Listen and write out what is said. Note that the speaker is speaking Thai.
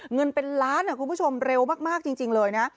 เงินเป็นล้านคุณผู้ชมเร็วมากจริงเลยนะ